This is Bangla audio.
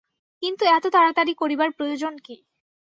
কিন্তু এত তাড়াতাড়ি করিবার প্রয়োজন কী?